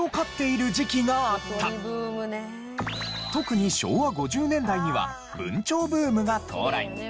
特に昭和５０年代には文鳥ブームが到来。